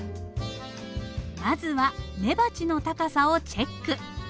まずは根鉢の高さをチェック。